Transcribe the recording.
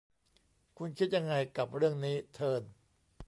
คุณคิดยังไงกับเรื่องนี้ เทิร์น